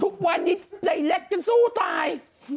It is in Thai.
ทุกวันนี้ใดแรกจะสู้ตาย